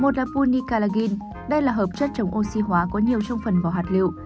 một là unicalagin đây là hợp chất chống oxy hóa có nhiều trong phần vỏ hạt lựu